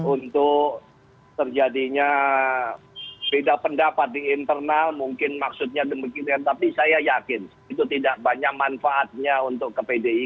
untuk terjadinya beda pendapat di internal mungkin maksudnya demikian tapi saya yakin itu tidak banyak manfaatnya untuk ke pdip